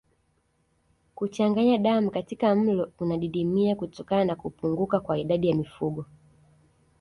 Kuchanganya damu katika mlo unadidimia kutokana na kupunguka kwa idadi ya mifugo